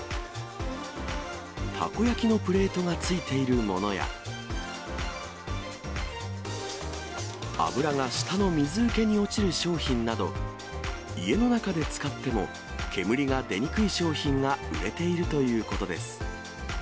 たこ焼きのプレートがついているものや、油が下の水受けに落ちる商品など、家の中で使っても煙が出にくい商品が売れているということです。